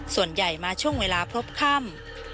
ส่วนใหญ่มาช่วงเวลาพบค่ำ